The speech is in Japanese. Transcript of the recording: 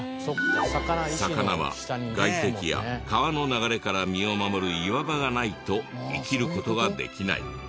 魚は外敵や川の流れから身を守る岩場がないと生きる事ができない。